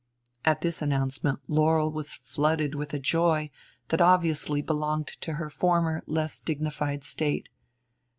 At this announcement Laurel was flooded with a joy that obviously belonged to her former, less dignified state.